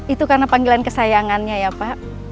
itu karena panggilan kesayangannya ya pak